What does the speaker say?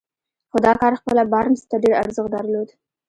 خو دا کار خپله بارنس ته ډېر ارزښت درلود.